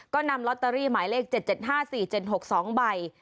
ก็นำลอตเตอรี่หมายเลข๗๗๕๔๗๖๒ใบ